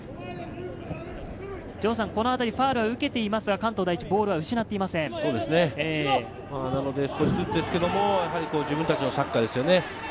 このあたりファウルを受けていますが関東第一ボールを失っていま少しずつですが自分達のサッカーですね。